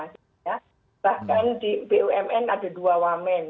bahkan di bumn ada dua wamen